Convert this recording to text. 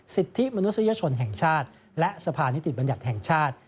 สิทธิมนุษยชนแห่งชาติและสภานิติบัญญัติแห่งชาติ